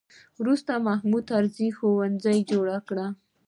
وروسته محمود طرزي ښوونځی جوړ شو.